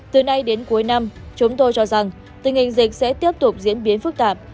từ nay đến cuối năm chúng tôi cho rằng tình hình dịch sẽ tiếp tục diễn biến phức tạp